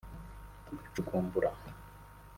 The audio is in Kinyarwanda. tugacukumbura